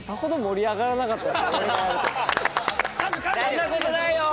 そんな事ないよ！